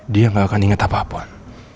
dia gak akan inget apapun